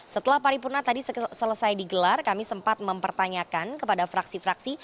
setelah paripurna tadi selesai digelar kami sempat mempertanyakan kepada fraksi fraksi